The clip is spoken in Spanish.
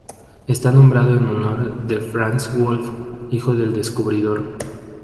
Está nombrado en honor de Franz Wolf, hijo del descubridor.